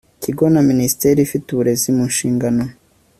kigo na Minisiteri ifite uburezi mu nshingano